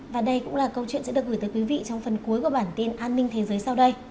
và đây cũng là câu chuyện sẽ được gửi tới quý vị trong phần cuối của bản tin an ninh thế giới sau đây